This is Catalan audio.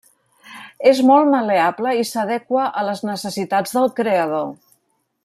És molt mal·leable i s'adequa a les necessitats del creador.